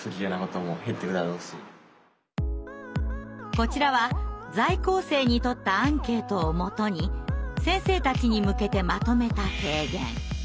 こちらは在校生に取ったアンケートをもとに先生たちに向けてまとめた提言。